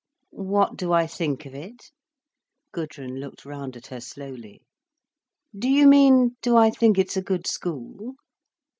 "What do I think of it?" Gudrun looked round at her slowly. "Do you mean, do I think it's a good school?"